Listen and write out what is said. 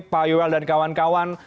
pak yuel dan kawan kawan